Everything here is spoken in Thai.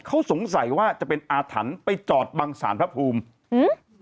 เขาสงสัยว่าจะเป็นอาถรรพ์ไปจอดบังสารพระภูมิอืม